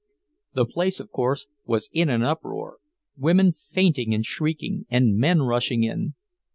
The place, of course, was in an uproar; women fainting and shrieking, and men rushing in.